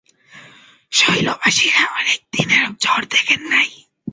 শৈলবাসীরা অনেক দিন এরূপ ঝড় দেখেন নাই।